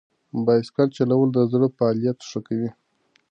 بایسکل چلول د زړه فعالیت ښه کوي.